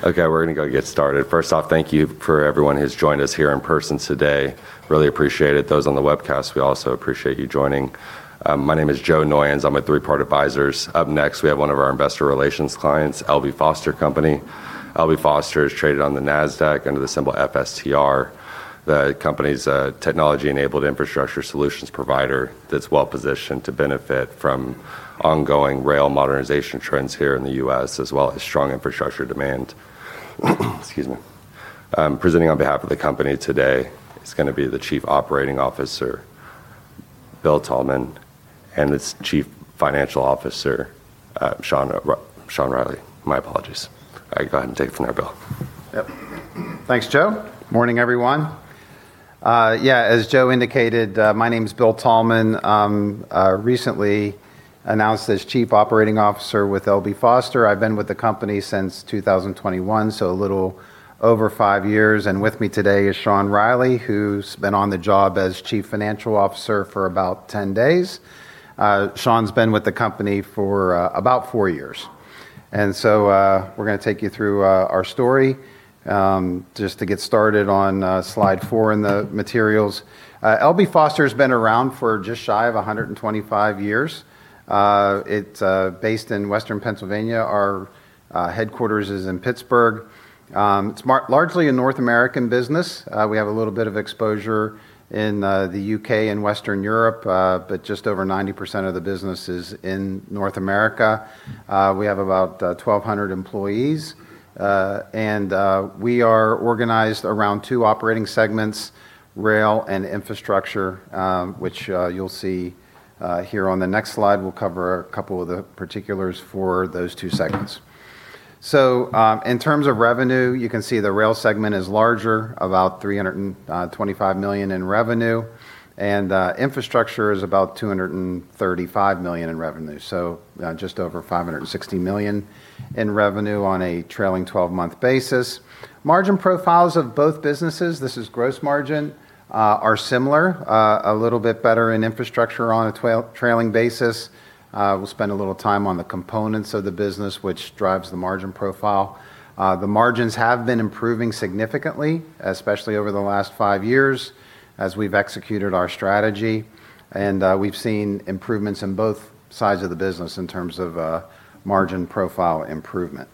Okay, we're going to go get started. First off, thank you for everyone who's joined us here in person today. Really appreciate it. Those on the webcast, we also appreciate you joining. My name is Joe Noyons. I'm with Three Part Advisors. Up next, we have one of our investor relations clients, L.B. Foster Company. L.B. Foster is traded on the Nasdaq under the symbol FSTR. The company's a technology-enabled infrastructure solutions provider that's well-positioned to benefit from ongoing rail modernization trends here in the U.S., as well as strong infrastructure demand. Excuse me. Presenting on behalf of the company today is going to be the Chief Operating Officer, Bill Thalman, and its Chief Financial Officer, Sean Reilly. All right, go ahead and take it from there, Bill. Yep. Thanks, Joe. Morning, everyone. As Joe indicated, my name's Bill Thalman. Recently announced as Chief Operating Officer with L.B. Foster. I've been with the company since 2021, so a little over five years. With me today is Sean Reilly, who's been on the job as Chief Financial Officer for about 10 days. Sean's been with the company for about four years. We're going to take you through our story. Just to get started on slide four in the materials. L.B. Foster's been around for just shy of 125 years. It's based in Western Pennsylvania. Our headquarters is in Pittsburgh. It's largely a North American business. We have a little bit of exposure in the U.K. and Western Europe, but just over 90% of the business is in North America. We have about 1,200 employees. We are organized around two operating segments, Rail and Infrastructure, which you'll see here on the next slide. We'll cover a couple of the particulars for those two segments. In terms of revenue, you can see the Rail segment is larger, about $325 million in revenue. Infrastructure is about $235 million in revenue. Just over $560 million in revenue on a trailing 12-month basis. Margin profiles of both businesses, this is gross margin, are similar. A little bit better in Infrastructure on a trailing basis. We'll spend a little time on the components of the business, which drives the margin profile. The margins have been improving significantly, especially over the last five years as we've executed our strategy. We've seen improvements in both sides of the business in terms of margin profile improvement.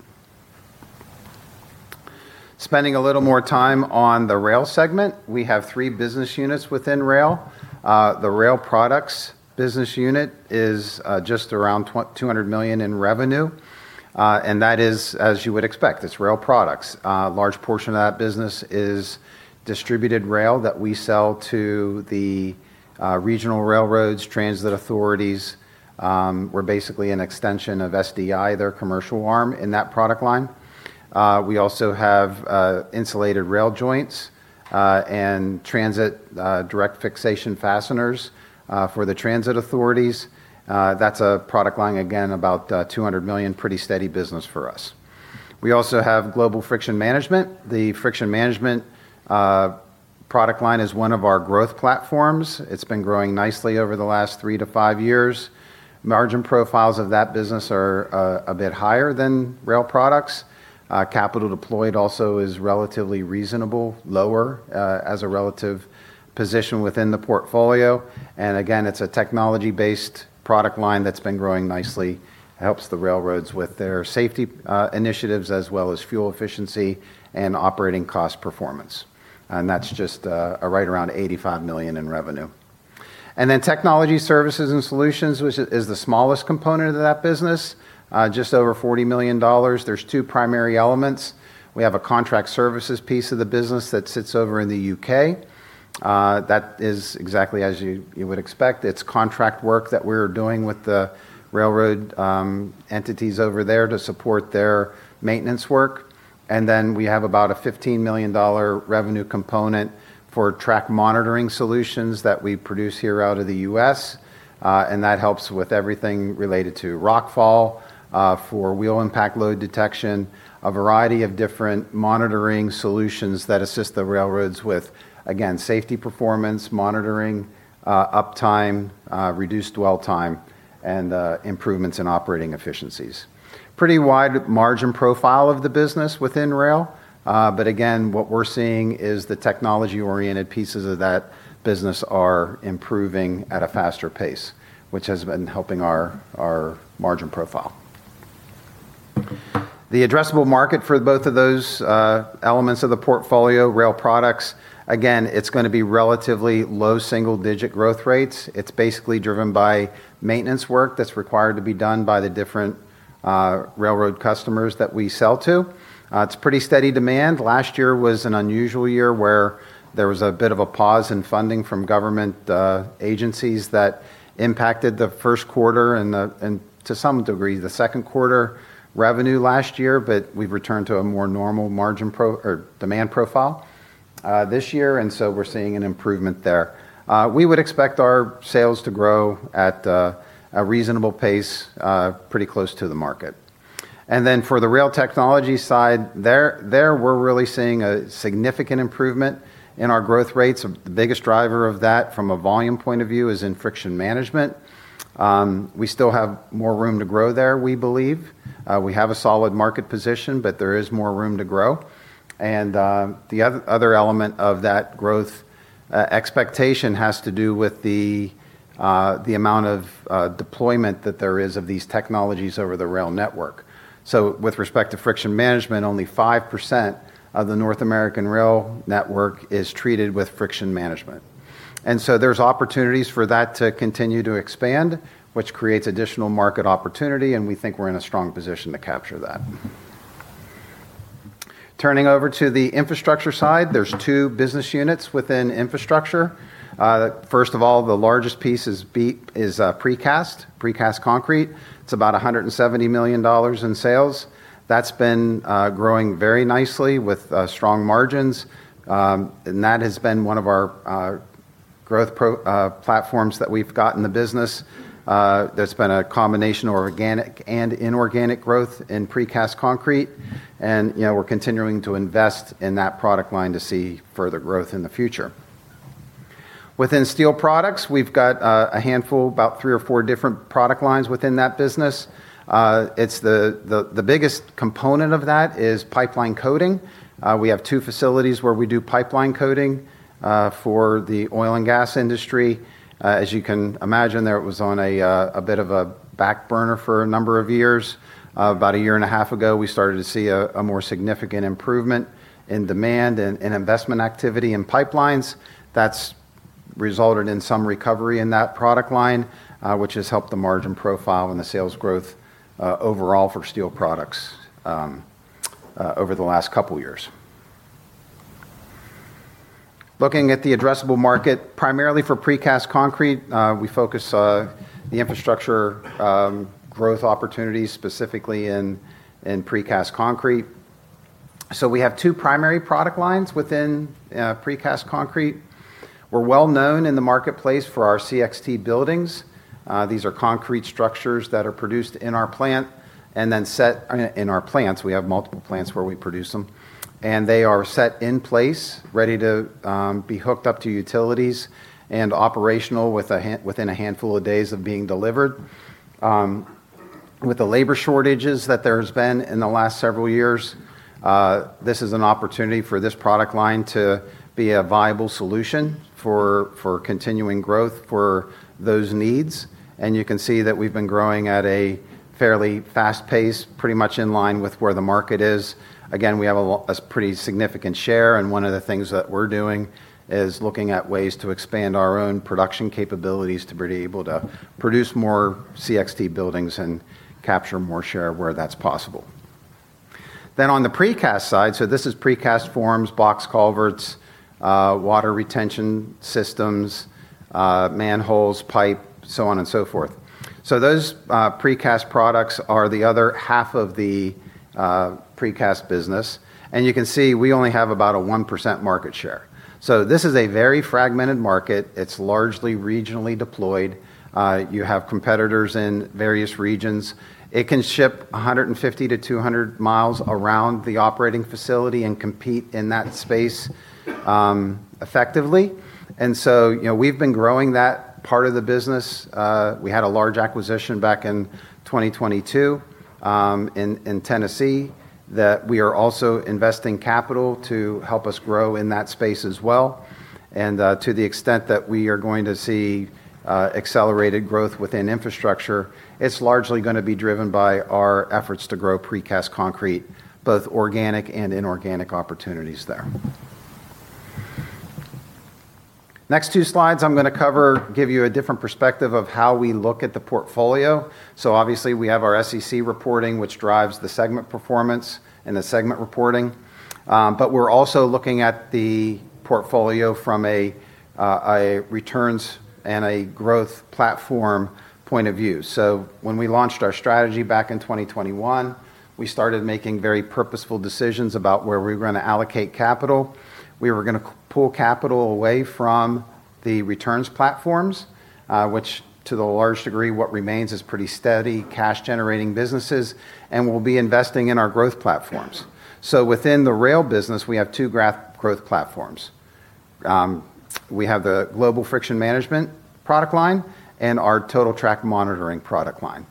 Spending a little more time on the Rail segment, we have three business units within Rail. The Rail Products business unit is just around $200 million in revenue. That is, as you would expect, it's Rail Products. A large portion of that business is distributed rail that we sell to the regional railroads, transit authorities. We're basically an extension of SDI, their commercial arm in that product line. We also have insulated rail joints, and transit direct fixation fasteners for the transit authorities. That's a product line, again, about $200 million. Pretty steady business for us. We also have Global Friction Management. The Friction Management product line is one of our growth platforms. It's been growing nicely over the last three to five years. Margin profiles of that business are a bit higher than Rail Products. Capital deployed also is relatively reasonable, lower as a relative position within the portfolio. Again, it's a technology-based product line that's been growing nicely. It helps the railroads with their safety initiatives as well as fuel efficiency and operating cost performance. That's just right around $85 million in revenue. Then technology services and solutions, which is the smallest component of that business, just over $40 million. There's two primary elements. We have a contract services piece of the business that sits over in the U.K. That is exactly as you would expect. It's contract work that we're doing with the railroad entities over there to support their maintenance work. We have about a $15 million revenue component for track monitoring solutions that we produce here out of the U.S. That helps with everything related to rockfall, for wheel impact load detection, a variety of different monitoring solutions that assist the railroads with, again, safety performance monitoring, uptime, reduced dwell time, and improvements in operating efficiencies. Pretty wide margin profile of the business within rail. Again, what we're seeing is the technology-oriented pieces of that business are improving at a faster pace, which has been helping our margin profile. The addressable market for both of those elements of the portfolio, Rail Products, again, it's going to be relatively low single-digit growth rates. It's basically driven by maintenance work that's required to be done by the different railroad customers that we sell to. It's pretty steady demand. Last year was an unusual year where there was a bit of a pause in funding from government agencies that impacted the first quarter and to some degree, the second quarter revenue last year. We've returned to a more normal demand profile this year, so we're seeing an improvement there. We would expect our sales to grow at a reasonable pace, pretty close to the market. Then for the rail technology side, there we're really seeing a significant improvement in our growth rates. The biggest driver of that from a volume point of view is in Friction Management. We still have more room to grow there, we believe. We have a solid market position, but there is more room to grow. The other element of that growth expectation has to do with the amount of deployment that there is of these technologies over the rail network. With respect to Friction Management, only 5% of the North American rail network is treated with Friction Management. So there's opportunities for that to continue to expand, which creates additional market opportunity, and we think we're in a strong position to capture that. Turning over to the Infrastructure side, there's two business units within infrastructure. First of all, the largest piece is Precast Concrete. It's about $170 million in sales. That's been growing very nicely with strong margins. That has been one of our growth platforms that we've got in the business. There's been a combination of organic and inorganic growth in Precast Concrete. We're continuing to invest in that product line to see further growth in the future. Within Steel Products, we've got a handful, about three or four different product lines within that business. The biggest component of that is pipeline coating. We have two facilities where we do pipeline coating for the oil and gas industry. As you can imagine, that was on a bit of a back burner for a number of years. About a year and a half ago, we started to see a more significant improvement in demand and investment activity in pipelines. That's resulted in some recovery in that product line, which has helped the margin profile and the sales growth overall for steel products over the last couple of years. Looking at the addressable market, primarily for Precast Concrete, we focus the infrastructure growth opportunities specifically in Precast Concrete. We have two primary product lines within Precast Concrete. We're well known in the marketplace for our CXT buildings. These are concrete structures that are produced in our plant, and then set in our plants. We have multiple plants where we produce them. They are set in place, ready to be hooked up to utilities, and operational within a handful of days of being delivered. With the labor shortages that there's been in the last several years, this is an opportunity for this product line to be a viable solution for continuing growth for those needs. You can see that we've been growing at a fairly fast pace, pretty much in line with where the market is. Again, we have a pretty significant share, and one of the things that we're doing is looking at ways to expand our own production capabilities to be able to produce more CXT buildings and capture more share where that's possible. On the precast side, this is precast forms, box culverts, water retention systems, manholes, pipe, so on and so forth. Those precast products are the other half of the Precast Concrete business. You can see we only have about a 1% market share. This is a very fragmented market. It's largely regionally deployed. You have competitors in various regions. It can ship 150-200 mi around the operating facility and compete in that space effectively. We've been growing that part of the business. We had a large acquisition back in 2022 in Tennessee, that we are also investing capital to help us grow in that space as well. To the extent that we are going to see accelerated growth within infrastructure, it's largely going to be driven by our efforts to grow Precast Concrete, both organic and inorganic opportunities there. Next two slides I'm going to cover give you a different perspective of how we look at the portfolio. Obviously, we have our SEC reporting, which drives the segment performance and the segment reporting. We're also looking at the portfolio from a returns and a growth platform point of view. When we launched our strategy back in 2021, we started making very purposeful decisions about where we were going to allocate capital. We were going to pull capital away from the returns platforms, which to the large degree, what remains is pretty steady, cash-generating businesses, and we'll be investing in our growth platforms. Within the Rail business, we have two growth platforms. We have the Global Friction Management product line and our Total Track Monitoring product line.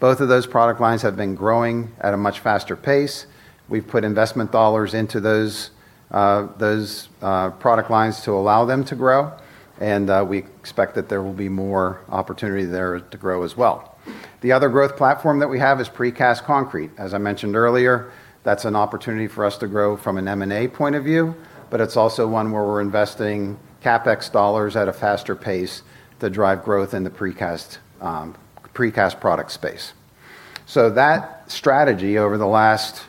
Both of those product lines have been growing at a much faster pace. We've put investment dollars into those product lines to allow them to grow. We expect that there will be more opportunity there to grow as well. The other growth platform that we have is Precast Concrete. As I mentioned earlier, that's an opportunity for us to grow from an M&A point of view, but it's also one where we're investing CapEx dollars at a faster pace to drive growth in the Precast Concrete product space. That strategy over the last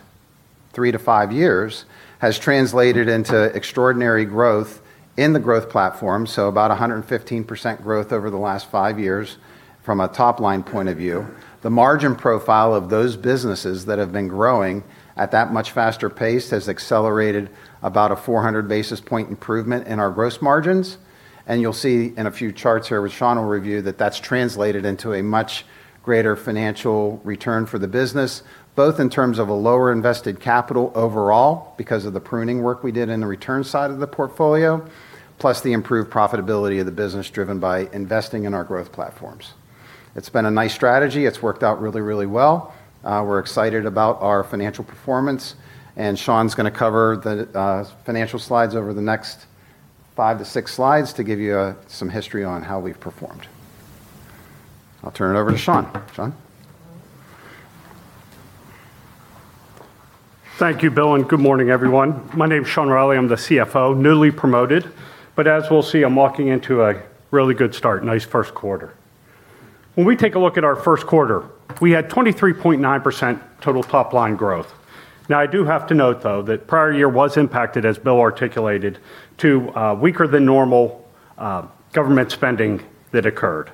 three to five years has translated into extraordinary growth in the growth platform, about 115% growth over the last five years from a top-line point of view. The margin profile of those businesses that have been growing at that much faster pace has accelerated about a 400-basis point improvement in our gross margins. You'll see in a few charts here, which Sean will review, that that's translated into a much greater financial return for the business, both in terms of a lower invested capital overall because of the pruning work we did in the return side of the portfolio, plus the improved profitability of the business driven by investing in our growth platforms. It's been a nice strategy. It's worked out really, really well. We're excited about our financial performance, and Sean's going to cover the financial slides over the next five to six slides to give you some history on how we've performed. I'll turn it over to Sean. Sean? Thank you, Bill, and good morning, everyone. My name's Sean Reilly, I'm the CFO, newly promoted, but as we'll see, I'm walking into a really good start. Nice first quarter. When we take a look at our first quarter, we had 23.9% total top-line growth. Now, I do have to note, though, that prior year was impacted, as Bill articulated, to weaker than normal government spending that occurred.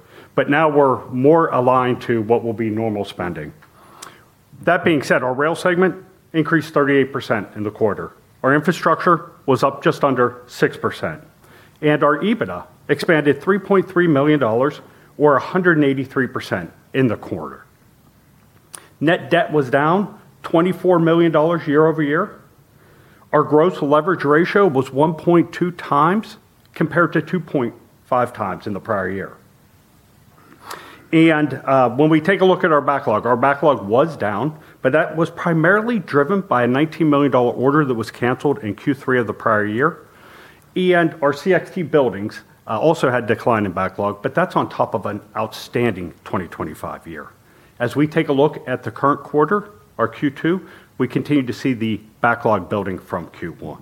Now we're more aligned to what will be normal spending. That being said, our Rail segment increased 38% in the quarter. Our Infrastructure was up just under 6%. Our EBITDA expanded $3.3 million, or 183%, in the quarter. Net debt was down $24 million year-over-year. Our gross leverage ratio was 1.2x, compared to 2.5x in the prior year. When we take a look at our backlog, our backlog was down, but that was primarily driven by a $19 million order that was canceled in Q3 of the prior year. Our CXT buildings also had decline in backlog, but that's on top of an outstanding 2025 year. As we take a look at the current quarter, our Q2, we continue to see the backlog building from Q1.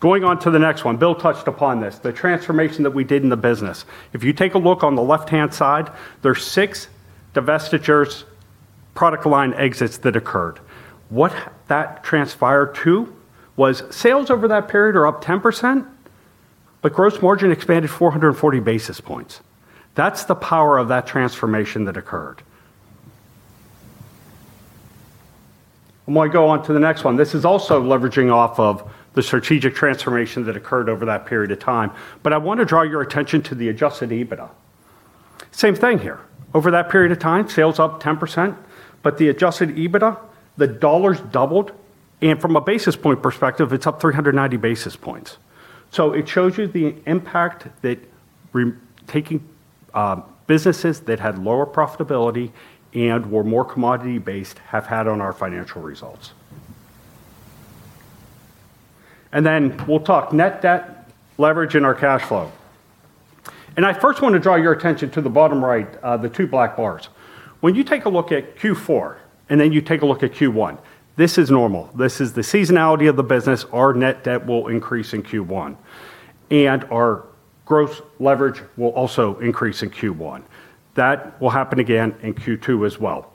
Going on to the next one, Bill touched upon this, the transformation that we did in the business. If you take a look on the left-hand side, there's six divestitures, product line exits that occurred. What that transpired to was sales over that period are up 10%, gross margin expanded 440 basis points. That's the power of that transformation that occurred. I'm going to go on to the next one. This is also leveraging off of the strategic transformation that occurred over that period of time. I want to draw your attention to the adjusted EBITDA. Same thing here. Over that period of time, sales up 10%, but the adjusted EBITDA, the dollars doubled, and from a basis point perspective, it's up 390 basis points. It shows you the impact that taking businesses that had lower profitability and were more commodity-based have had on our financial results. Then we'll talk net debt leverage and our cash flow. I first want to draw your attention to the bottom right, the two black bars. When you take a look at Q4, then you take a look at Q1, this is normal. This is the seasonality of the business. Our net debt will increase in Q1. Our gross leverage will also increase in Q1. That will happen again in Q2 as well.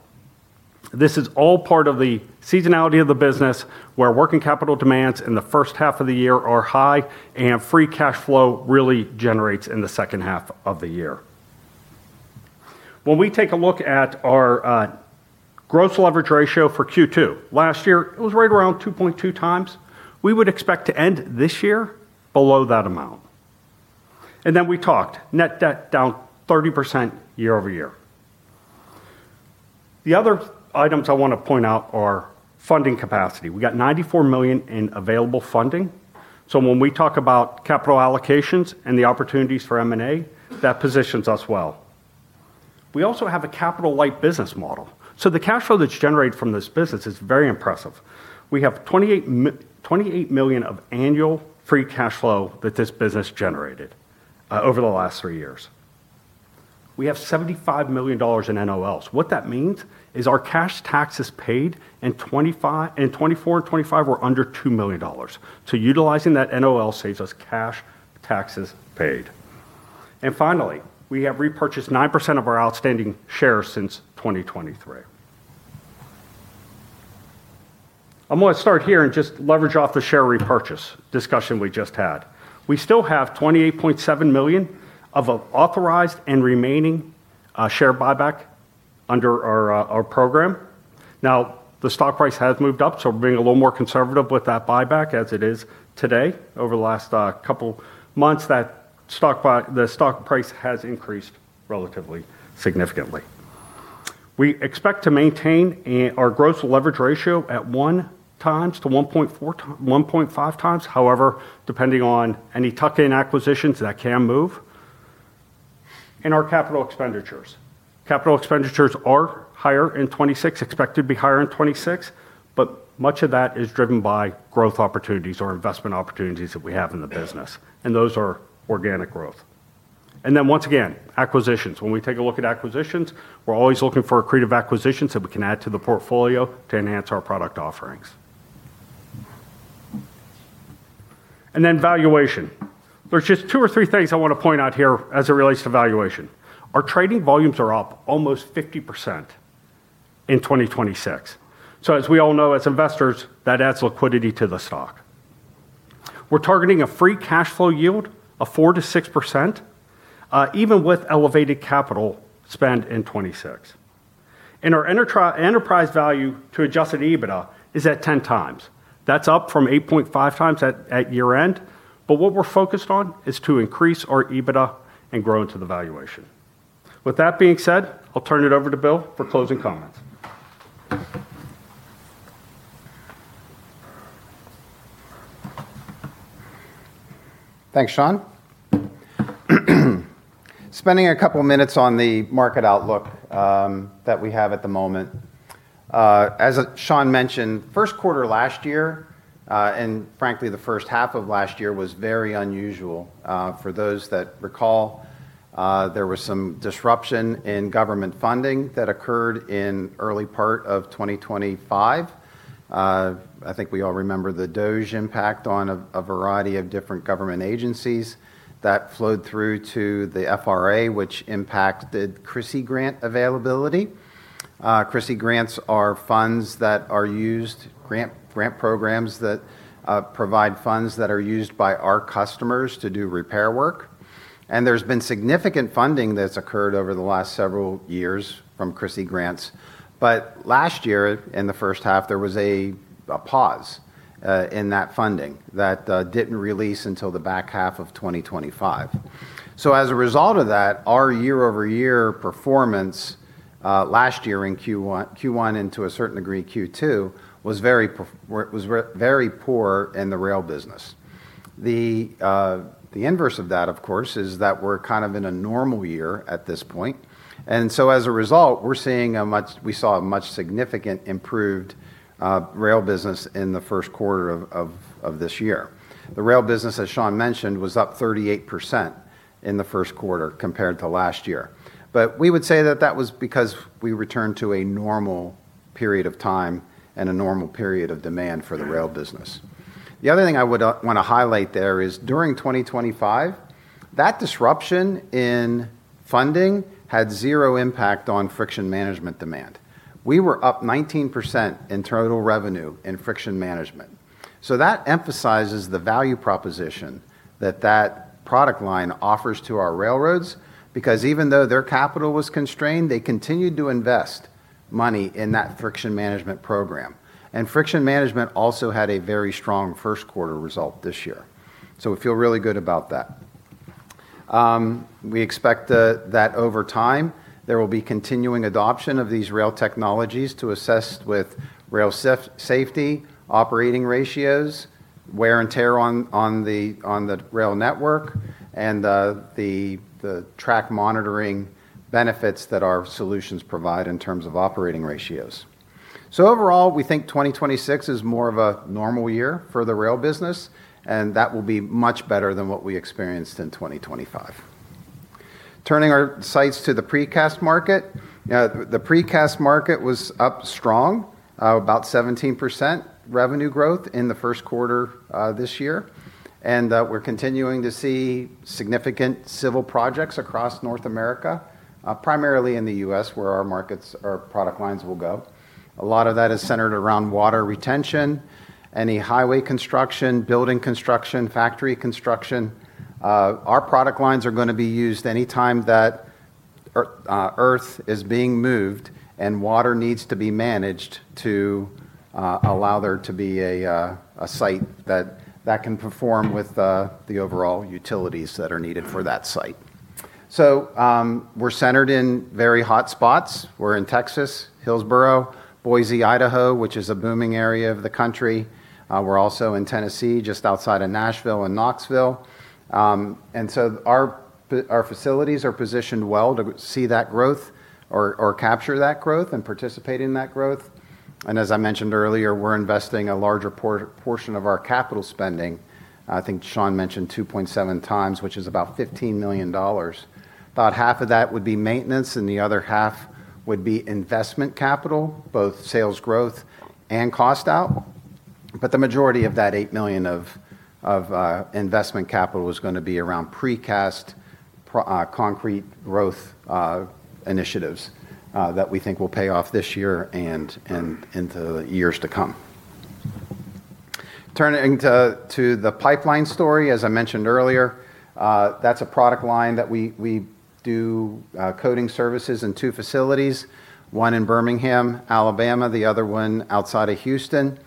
This is all part of the seasonality of the business, where working capital demands in the first half of the year are high, and free cash flow really generates in the second half of the year. When we take a look at our gross leverage ratio for Q2. Last year, it was right around 2.2x. We would expect to end this year below that amount. Then we talked, net debt down 30% year-over-year. The other items I want to point out are funding capacity. We got $94 million in available funding. When we talk about capital allocations and the opportunities for M&A, that positions us well. We also have a capital-light business model, the cash flow that's generated from this business is very impressive. We have $28 million of annual free cash flow that this business generated over the last three years. We have $75 million in NOLs. What that means is our cash taxes paid in 2024 and 2025 were under $2 million. Utilizing that NOL saves us cash taxes paid. Finally, we have repurchased 9% of our outstanding shares since 2023. I'm going to start here and just leverage off the share repurchase discussion we just had. We still have $28.7 million of authorized and remaining share buyback under our program. The stock price has moved up, being a little more conservative with that buyback as it is today. Over the last couple months, the stock price has increased relatively significantly. We expect to maintain our gross leverage ratio at 1x-1.5x. However, depending on any tuck-in acquisitions, that can move. In our capital expenditures. Capital expenditures are higher in 2026, expected to be higher in 2026, much of that is driven by growth opportunities or investment opportunities that we have in the business. Those are organic growth. Then once again, acquisitions. When we take a look at acquisitions, we're always looking for accretive acquisitions that we can add to the portfolio to enhance our product offerings. Then valuation. There's just two or three things I want to point out here as it relates to valuation. Our trading volumes are up almost 50% in 2026. As we all know, as investors, that adds liquidity to the stock. We're targeting a free cash flow yield of 4%-6%, even with elevated capital spend in 2026. Our enterprise value to adjusted EBITDA is at 10x. That's up from 8.5x at year-end. What we're focused on is to increase our EBITDA and grow into the valuation. With that being said, I'll turn it over to Bill for closing comments. Thanks, Sean. Spending a couple of minutes on the market outlook that we have at the moment. As Sean mentioned, first quarter last year, and frankly, the first half of last year was very unusual. For those that recall, there was some disruption in government funding that occurred in early part of 2025. I think we all remember the DOGE impact on a variety of different government agencies that flowed through to the FRA, which impacted CRISI Grant availability. CRISI Grants are grant programs that provide funds that are used by our customers to do repair work. There's been significant funding that's occurred over the last several years from CRISI Grants. Last year in the first half, there was a pause in that funding that didn't release until the back half of 2025. As a result of that, our year-over-year performance, last year in Q1 and to a certain degree Q2 was very poor in the Rail business. The inverse of that, of course, is that we're in a normal year at this point. As a result, we saw a much significant improved Rail business in the first quarter of this year. The Rail business, as Sean mentioned, was up 38% in the first quarter compared to last year. We would say that that was because we returned to a normal period of time and a normal period of demand for the Rail business. The other thing I want to highlight there is during 2025, that disruption in funding had zero impact on Friction Management demand. We were up 19% in total revenue in Friction Management. That emphasizes the value proposition that that product line offers to our railroads, because even though their capital was constrained, they continued to invest money in that Friction Management program. Friction Management also had a very strong first quarter result this year. We feel really good about that. We expect that over time, there will be continuing adoption of these rail technologies to assist with rail safety, operating ratios, wear and tear on the rail network, and the track monitoring benefits that our solutions provide in terms of operating ratios. Overall, we think 2026 is more of a normal year for the Rail business, and that will be much better than what we experienced in 2025. Turning our sights to the precast market. The precast market was up strong, about 17% revenue growth in the first quarter this year. We're continuing to see significant civil projects across North America, primarily in the U.S. where our product lines will go. A lot of that is centered around water retention, any highway construction, building construction, factory construction. Our product lines are going to be used any time that earth is being moved and water needs to be managed to allow there to be a site that can perform with the overall utilities that are needed for that site. We're centered in very hot spots. We're in Texas, Hillsboro, Boise, Idaho, which is a booming area of the country. We're also in Tennessee, just outside of Nashville and Knoxville. Our facilities are positioned well to see that growth or capture that growth and participate in that growth. As I mentioned earlier, we're investing a larger portion of our capital spending. Sean mentioned 2.7x, which is about $15 million. About half of that would be maintenance, and the other half would be investment capital, both sales growth and cost out. The majority of that $8 million of investment capital is going to be around Precast Concrete growth initiatives that we think will pay off this year and into years to come. Turning to the pipeline story, as I mentioned earlier, that's a product line that we do coatings services in two facilities, one in Birmingham, Alabama, the other one outside of Houston.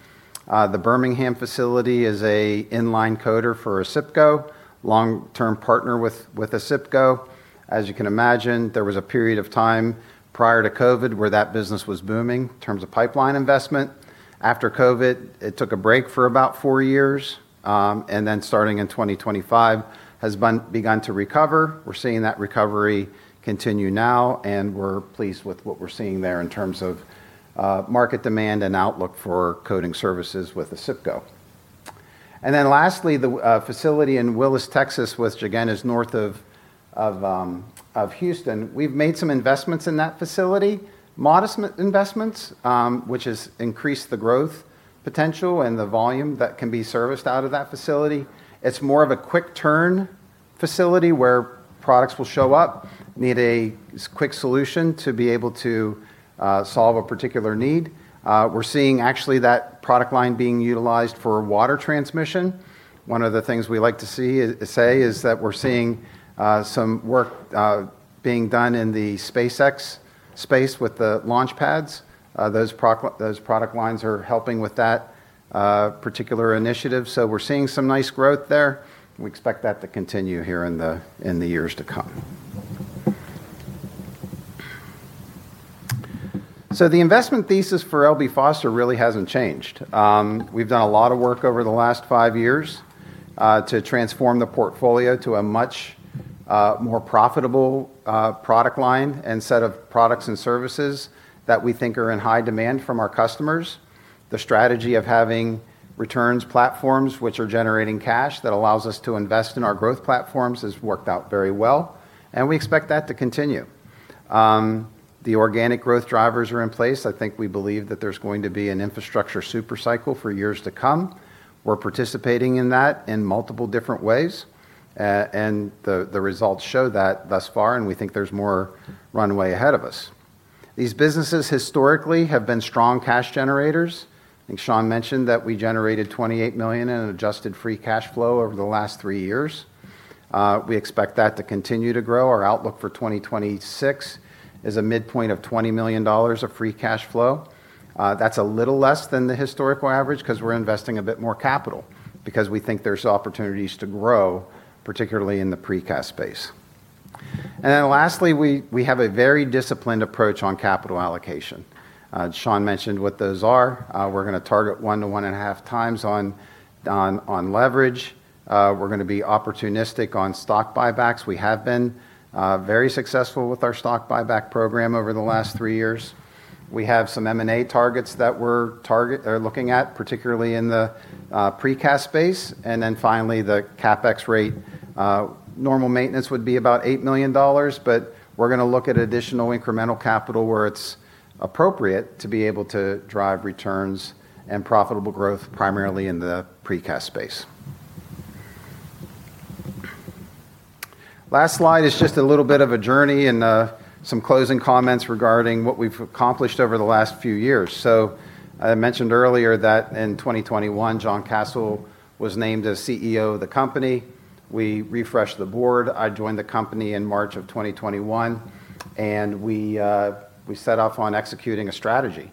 The Birmingham facility is an in-line coater for ACIPCO, long-term partner with ACIPCO. As you can imagine, there was a period of time prior to COVID where that business was booming in terms of pipeline investment. After COVID, it took a break for about four years, and then starting in 2025 has begun to recover. We're seeing that recovery continue now, and we're pleased with what we're seeing there in terms of market demand and outlook for coatings services with ACIPCO. Lastly, the facility in Willis, Texas, which again is north of Houston. We've made some investments in that facility, modest investments, which has increased the growth potential and the volume that can be serviced out of that facility. It's more of a quick turn facility where products will show up, need a quick solution to be able to solve a particular need. We're seeing actually that product line being utilized for water transmission. One of the things we like to say is that we're seeing some work being done in the SpaceX space with the launch pads. Those product lines are helping with that particular initiative. We're seeing some nice growth there, and we expect that to continue here in the years to come. The investment thesis for L.B. Foster really hasn't changed. We've done a lot of work over the last five years to transform the portfolio to a much more profitable product line and set of products and services that we think are in high demand from our customers. The strategy of having returns platforms which are generating cash that allows us to invest in our growth platforms has worked out very well, and we expect that to continue. The organic growth drivers are in place. I think we believe that there's going to be an infrastructure super cycle for years to come. We're participating in that in multiple different ways. The results show that thus far, and we think there's more runway ahead of us. These businesses historically have been strong cash generators. I think Sean mentioned that we generated $28 million in an adjusted free cash flow over the last three years. We expect that to continue to grow. Our outlook for 2026 is a midpoint of $20 million of free cash flow. That's a little less than the historical average because we're investing a bit more capital because we think there's opportunities to grow, particularly in the precast space. Lastly, we have a very disciplined approach on capital allocation. Sean mentioned what those are. We're going to target 1.00x-1.50x on leverage. We're going to be opportunistic on stock buybacks. We have been very successful with our stock buyback program over the last three years. We have some M&A targets that we're looking at, particularly in the precast space. Finally, the CapEx rate. Normal maintenance would be about $8 million, but we're going to look at additional incremental capital where it's appropriate to be able to drive returns and profitable growth, primarily in the precast space. Last slide is just a little bit of a journey and some closing comments regarding what we've accomplished over the last few years. I mentioned earlier that in 2021, John Kasel was named as CEO of the company. We refreshed the board. I joined the company in March of 2021. We set off on executing a strategy.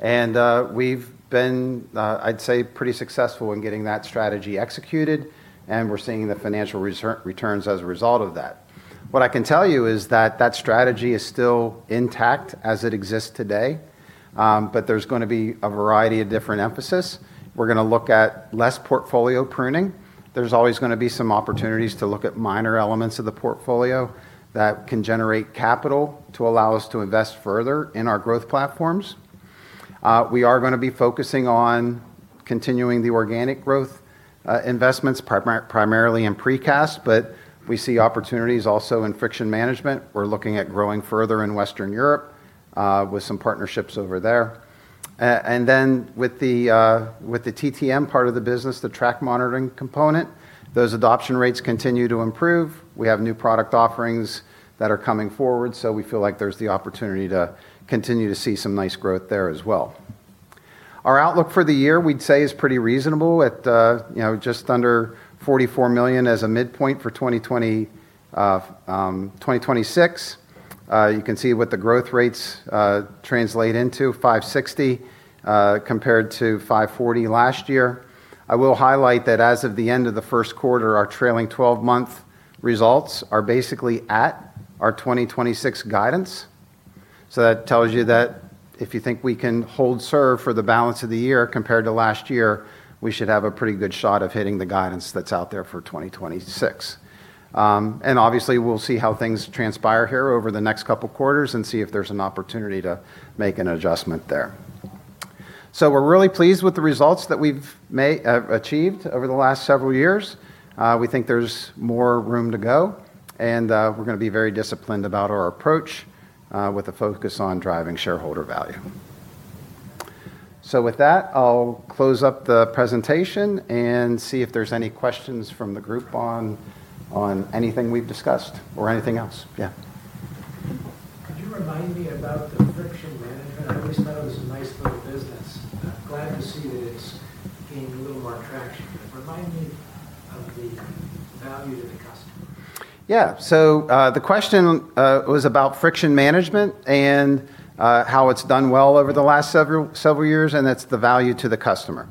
We've been, I'd say, pretty successful in getting that strategy executed, and we're seeing the financial returns as a result of that. What I can tell you is that that strategy is still intact as it exists today, but there's going to be a variety of different emphasis. We're going to look at less portfolio pruning. There's always going to be some opportunities to look at minor elements of the portfolio that can generate capital to allow us to invest further in our growth platforms. We are going to be focusing on continuing the organic growth investments, primarily in Precast Concrete, but we see opportunities also in Friction Management. We're looking at growing further in Western Europe, with some partnerships over there. With the TTM part of the business, the track monitoring component, those adoption rates continue to improve. We have new product offerings that are coming forward, so we feel like there's the opportunity to continue to see some nice growth there as well. Our outlook for the year, we'd say, is pretty reasonable at just under $44 million as a midpoint for 2026. You can see what the growth rates translate into, 5.60%, compared to 5.40% last year. I will highlight that as of the end of the first quarter, our trailing 12-month results are basically at our 2026 guidance. That tells you that if you think we can hold serve for the balance of the year compared to last year, we should have a pretty good shot of hitting the guidance that's out there for 2026. Obviously, we'll see how things transpire here over the next couple quarters and see if there's an opportunity to make an adjustment there. We're really pleased with the results that we've achieved over the last several years. We think there's more room to go, and we're going to be very disciplined about our approach, with a focus on driving shareholder value. With that, I'll close up the presentation and see if there's any questions from the group on anything we've discussed or anything else. Yeah. Could you remind me about the Friction Management? I always thought it was a nice little business. Glad to see that it's gained a little more traction. Remind me of the value to the customer. Yeah. The question was about Friction Management and how it's done well over the last several years, and it's the value to the customer.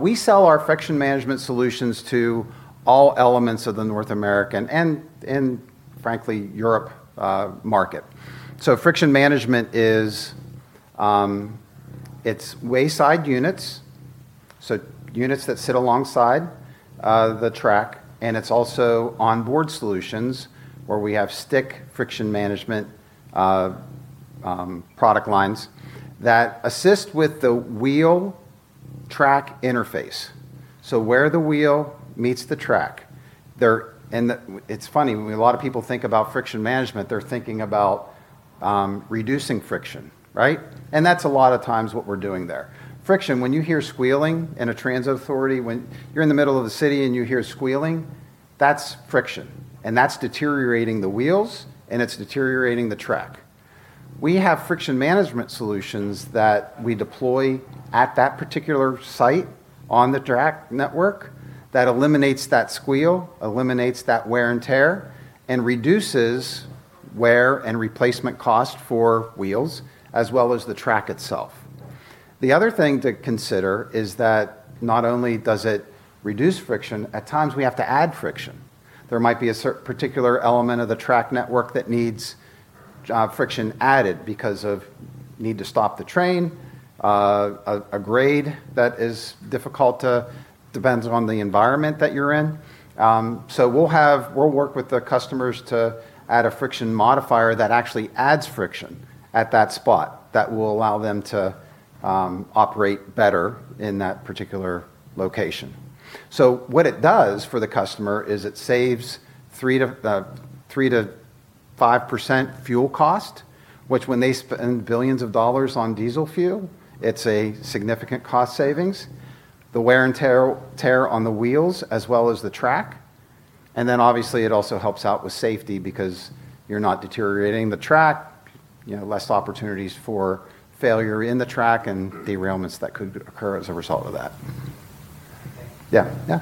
We sell our Friction Management solutions to all elements of the North American and frankly, Europe market. Friction Management is wayside units, so units that sit alongside the track, and it's also onboard solutions where we have stick Friction Management product lines that assist with the wheel-track interface. Where the wheel meets the track. It's funny, when a lot of people think about Friction Management, they're thinking about reducing friction, right? That's a lot of times what we're doing there. Friction, when you hear squealing in a transit authority, when you're in the middle of the city and you hear squealing, that's friction. That's deteriorating the wheels, and it's deteriorating the track. We have Friction Management solutions that we deploy at that particular site on the track network. That eliminates that squeal, eliminates that wear and tear, and reduces wear and replacement cost for wheels, as well as the track itself. The other thing to consider is that not only does it reduce friction, at times, we have to add friction. There might be a particular element of the track network that needs friction added because of need to stop the train, a grade that is difficult, depends on the environment that you're in. We'll work with the customers to add a friction modifier that actually adds friction at that spot that will allow them to operate better in that particular location. What it does for the customer is it saves 3%-5% fuel cost, which when they spend billions of dollars on diesel fuel, it's a significant cost savings. The wear and tear on the wheels as well as the track, obviously it also helps out with safety because you're not deteriorating the track, less opportunities for failure in the track and derailments that could occur as a result of that.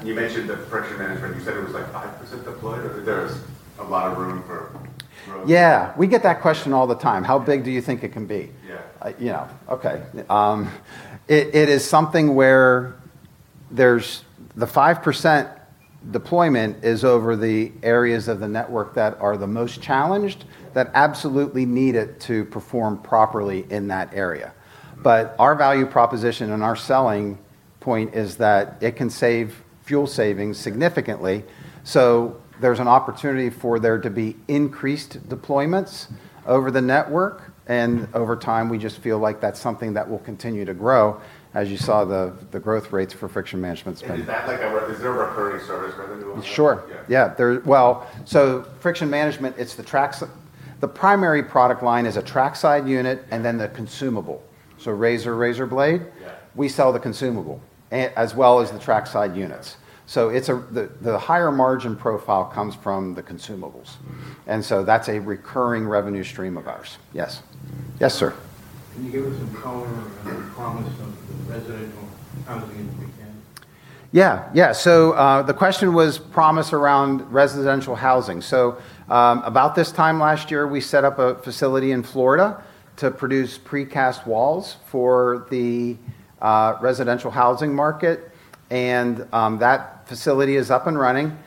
You mentioned that Friction Management, you said it was 5% deployed, or there's a lot of room for growth? Yeah. We get that question all the time. How big do you think it can be? Yeah. Yeah. Okay. It is something where the 5% deployment is over the areas of the network that are the most challenged, that absolutely need it to perform properly in that area. Our value proposition and our selling point is that it can save fuel savings significantly. There's an opportunity for there to be increased deployments over the network, and over time, we just feel like that's something that will continue to grow, as you saw the growth rates for Friction Management spend. Is there a recurring service revenue on that? Sure. Yeah. Yeah. Well, Friction Management, the primary product line is a track side unit, and then the consumable. Razor, razor blade. Yeah. We sell the consumable, as well as the track side units. The higher margin profile comes from the consumables. That's a recurring revenue stream of ours. Yes. Yes, sir. Can you give us a color on the promise of the residential housing in Precast Concrete? Yeah. The question was promise around residential housing. About this time last year, we set up a facility in Florida to produce precast walls for the residential housing market, and that facility is up and running.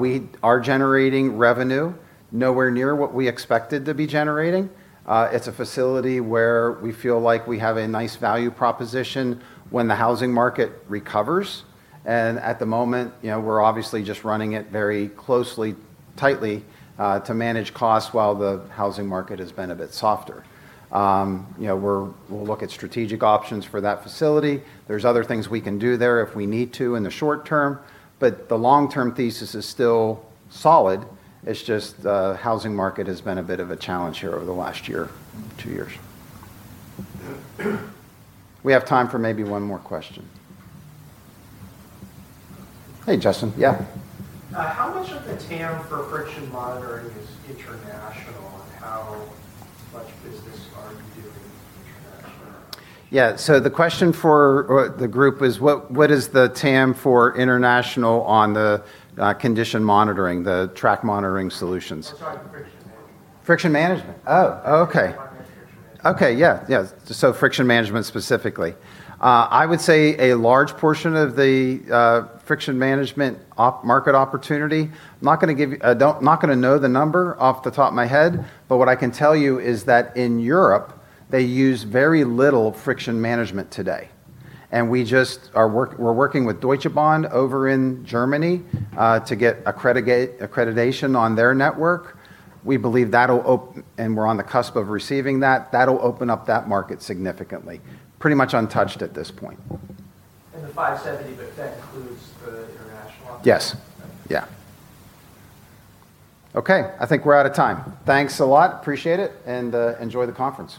We are generating revenue. Nowhere near what we expected to be generating. It's a facility where we feel like we have a nice value proposition when the housing market recovers. At the moment, we're obviously just running it very closely, tightly, to manage costs while the housing market has been a bit softer. We'll look at strategic options for that facility. There's other things we can do there if we need to in the short term, but the long-term thesis is still solid. It's just the housing market has been a bit of a challenge here over the last year, two years. We have time for maybe one more question. Hey, Justin. Yeah. How much of the TAM for friction monitoring is international, and how much business are you doing international? Yeah. The question for the group is what is the TAM for international on the condition monitoring, the track monitoring solutions. I'm sorry, the Friction Management. Friction Management. Oh, okay. I meant Friction Management. Okay. Yeah. Friction Management specifically. I would say a large portion of the Friction Management market opportunity, I'm not going to know the number off the top of my head, but what I can tell you is that in Europe, they use very little Friction Management today, and we're working with Deutsche Bahn over in Germany, to get accreditation on their network. We're on the cusp of receiving that. That'll open up that market significantly. Pretty much untouched at this point. The 5.70%, that includes the international opportunities? Yes. Okay. Yeah. Okay, I think we're out of time. Thanks a lot. Appreciate it, and enjoy the conference.